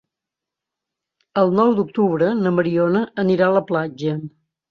El nou d'octubre na Mariona anirà a la platja.